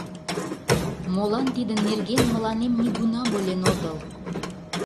— Молан тидын нерген мыланем нигунам ойлен отыл?